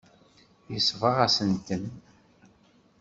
Yesbeɣ-asent-ten.